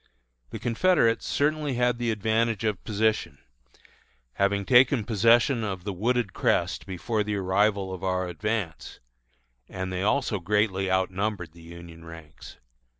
The Confederates certainly had the advantage of position, having taken possession of the wooded crest before the arrival of our advance; and they also greatly outnumbered the Union ranks.